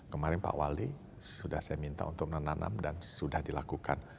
kemarin pak wali sudah saya minta untuk menanam dan sudah dilakukan